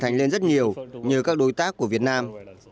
thành lên rất nhiều như các đối tác của việt nam